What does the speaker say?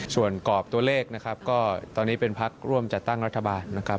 ส่วนกรอบตัวเลขนะครับก็ตอนนี้เป็นพักร่วมจัดตั้งรัฐบาลนะครับ